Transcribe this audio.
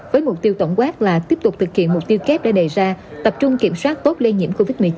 với mục tiêu tổng quát là tiếp tục thực hiện mục tiêu kép đã đề ra tập trung kiểm soát tốt lây nhiễm covid một mươi chín